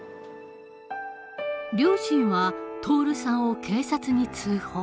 両親は徹さんを警察に通報。